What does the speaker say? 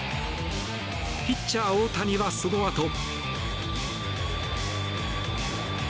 ピッチャー大谷は、そのあと。